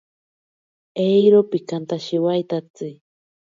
Eiro pikantashiwaitatsi.